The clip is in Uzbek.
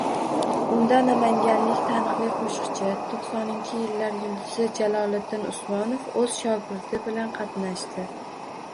Unda namanganlik taniqli qoʻshiqchi, toʻqsoninchi yillar yulduzi Jaloliddin Usmonov oʻz shogirdi bilan qatnashdi.